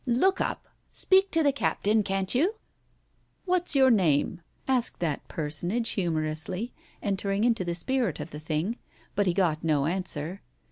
"Look up, speak to the captain, can't you ?" "What's your name?" asked that personage humor ously, entering into the spirit of the thing, but he got no answer.